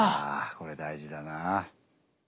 これ大事だな。